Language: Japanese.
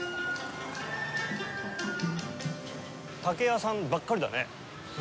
竹屋さんばっかりだね。